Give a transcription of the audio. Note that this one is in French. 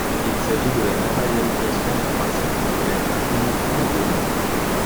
Il s'agit de la matérialisation du principe de collecte unique de données.